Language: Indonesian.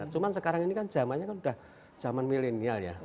cuman sekarang ini kan zamannya kan udah zaman milenial ya